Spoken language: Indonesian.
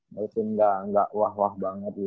musim enggak wah wah banget gitu